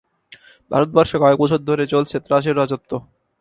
ভারতবর্ষে কয়েক বছর ধরে চলছে ত্রাসের রাজত্ব।